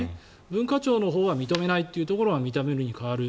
文化庁のほうは認めないというところが認めるに変わる。